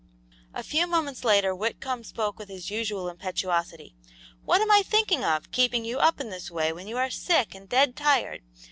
A few moments later Whitcomb spoke with his usual impetuosity. "What am I thinking of, keeping you up in this way when you are sick and dead tired!